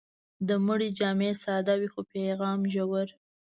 د مړي جامې ساده وي، خو پیغام ژور.